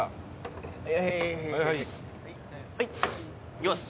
いきます。